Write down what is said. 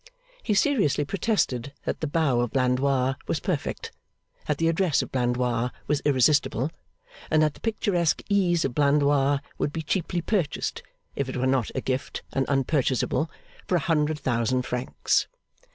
He seriously protested that the bow of Blandois was perfect, that the address of Blandois was irresistible, and that the picturesque ease of Blandois would be cheaply purchased (if it were not a gift, and unpurchasable) for a hundred thousand francs.